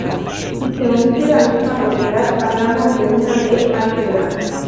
Si se omite la última propiedad, hablamos de una B-álgebra.